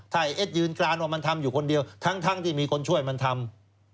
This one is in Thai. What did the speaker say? ถ้าไอเอสยืนกรานว่ามันทำอยู่คนเดียวทั้งที่มีคนช่วยมันทำ